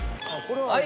はい。